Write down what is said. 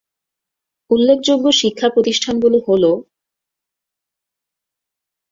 উল্লেখযোগ্য শিক্ষা প্রতিষ্ঠানগুলো হলো